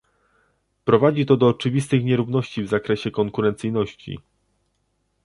Prowadzi to do oczywistych nierówności w zakresie konkurencyjności